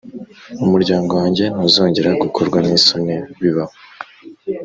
Umuryango wanjye ntuzongera gukorwa n’isoni bibaho.»